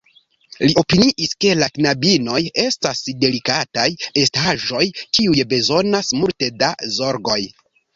Li opiniis, ke la knabinoj estas delikataj estaĵoj, kiuj bezonas multe da zorgoj.